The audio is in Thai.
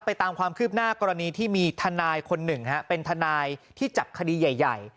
ตามความคืบหน้ากรณีที่มีทนายคนหนึ่งเป็นทนายที่จับคดีใหญ่